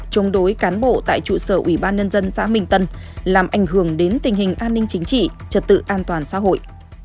chống đối cán bộ tại trụ sở ubnd xã minh tân làm ảnh hưởng đến tình hình an ninh chính trị trật tự an toàn xã hội